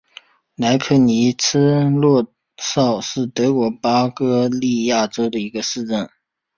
雷格尼茨洛绍是德国巴伐利亚州的一个市镇。